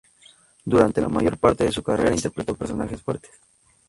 Durante la mayor parte de su carrera interpretó personajes fuertes.